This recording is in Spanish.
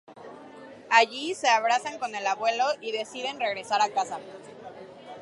Allí, se abrazan con el Abuelo, y deciden regresar a casa.